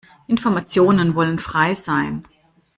Informationen wollen frei sein.